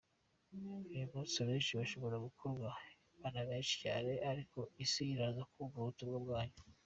Uyu munsi abenshi bashobora guhorwa Imana, benshi cyane, ariko Isi iraza kumva ubutumwa bwacu.